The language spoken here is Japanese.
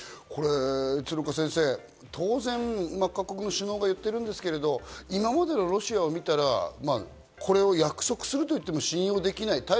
鶴岡先生、当然各国首脳が言ってるんですけど、今までのロシアをみたら、これを約束すると言っても信用できない。